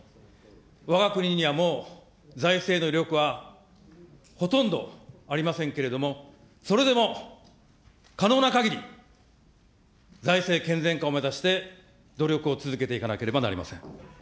わが国にはもう、財政の余力はほとんどありませんけれども、それでも可能なかぎり、財政健全化を目指して努力を続けていかなければなりません。